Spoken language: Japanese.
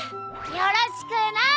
よろしくな！